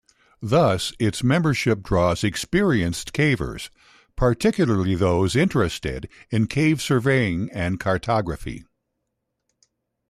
Thus, its membership draws experienced cavers, particularly those interested in cave surveying and cartography.